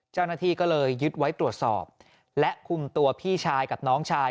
เจ้าหน้าที่ก็เลยยึดไว้ตรวจสอบและคุมตัวพี่ชายกับน้องชาย